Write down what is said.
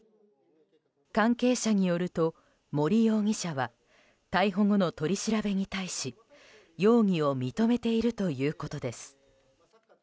関係者によると森容疑者は逮捕後の取り調べに対し容疑を認めているということです。